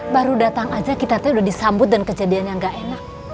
baru datang aja kita ternyata udah disambut dan kejadiannya gak enak